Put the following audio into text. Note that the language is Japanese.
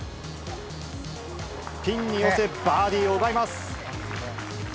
ピンに寄せ、バーディーを奪います。